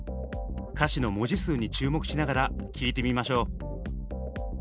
歌詞の文字数に注目しながら聴いてみましょう。